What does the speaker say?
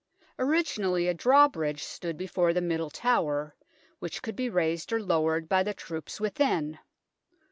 Originally a drawbridge stood before the Middle Tower, which could be raised or lowered by the troops within.